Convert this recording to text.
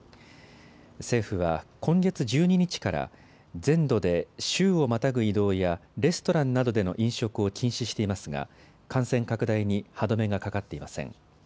政府は今月１２日から全土で州をまたぐ移動やレストランなどでの飲食を禁止していますが感染拡大に歯止めがかかっていません。